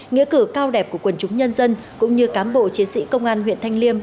nghĩa cử cao đẹp của quần chúng nhân dân cũng như cám bộ chiến sĩ công an huyện thanh liêm